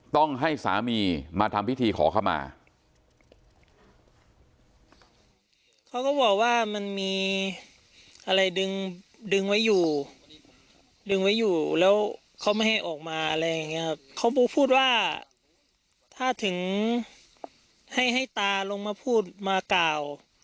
ต้องให้สามีมาทำพิธีขอเข้ามา